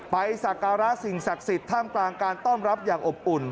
สักการะสิ่งศักดิ์สิทธิ์ท่ามกลางการต้อนรับอย่างอบอุ่น